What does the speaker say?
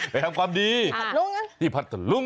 ไปทำความดีอย่างที่พัดทะลุง